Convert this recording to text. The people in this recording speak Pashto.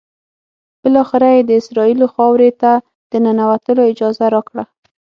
بالآخره یې د اسرائیلو خاورې ته د ننوتلو اجازه راکړه.